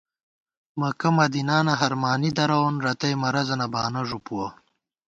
مکہ مدینانہ ہرمانی درَوون ، رتئ مرَضَنہ بانہ ݫُپُوَہ